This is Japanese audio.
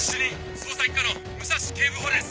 捜査一課の武蔵警部補です。